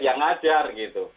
yang ngajar gitu